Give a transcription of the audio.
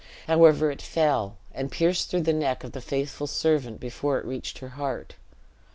However, it fell, and pierced through the neck of the faithful servant before it reached her heart.